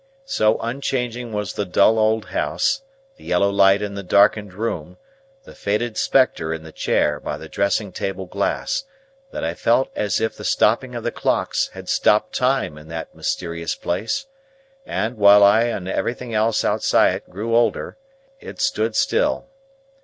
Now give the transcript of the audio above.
So unchanging was the dull old house, the yellow light in the darkened room, the faded spectre in the chair by the dressing table glass, that I felt as if the stopping of the clocks had stopped Time in that mysterious place, and, while I and everything else outside it grew older, it stood still.